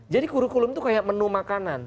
jadi kurikulum itu kayak menu makanan